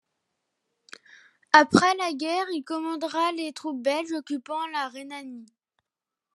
Après la guerre, il commandera les troupes belges occupant la Rhénanie.